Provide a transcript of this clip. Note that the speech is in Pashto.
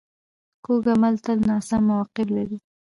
کوږ عمل تل ناسم عواقب لري